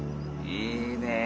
いいねえ